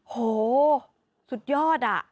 โหสุดยอดอะ